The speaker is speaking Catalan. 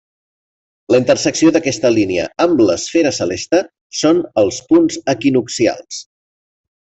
La intersecció d'aquesta línia amb l'esfera celeste són els punts equinoccials.